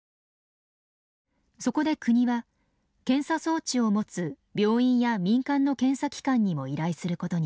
そこで国は検査装置を持つ病院や民間の検査機関にも依頼することに。